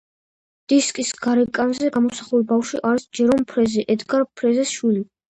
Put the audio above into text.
დისკის გარეკანზე გამოსახული ბავშვი არის ჯერომ ფრეზე, ედგარ ფრეზეს შვილი.